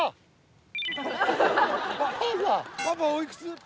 パパおいくつ？